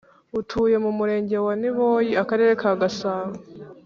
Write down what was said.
utuye mu Murenge wa Niboyi Akarere Ka gasabo